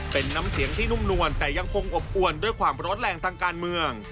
เป็นน้ำเสียงที่นุ่มนวลแต่ยังคงอบอวนด้วยความร้อนแรงทางการเมือง